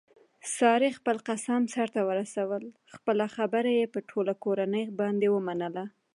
سارې خپل قسم سرته ورسولو خپله خبره یې په ټوله کورنۍ باندې ومنله.